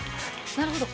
なるほど。